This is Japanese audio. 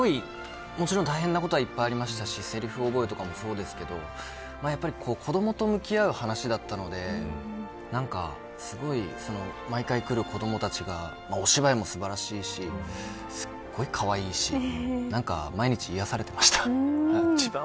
もちろん大変なことはいっぱいありましたし、せりふ覚えとかもそうですけど子どもと向き合うお話だったのですごい毎回、来る子どもたちがお芝居も素晴らしいしすごいかわいいし何か毎日、癒やされてました。